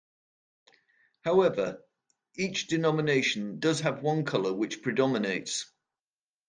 However, each denomination does have one colour which predominates.